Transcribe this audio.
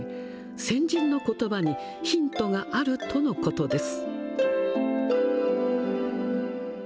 先人のことばにヒントがあるとのことです。